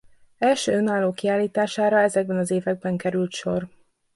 Első önálló kiállítására ezekben az években került sor.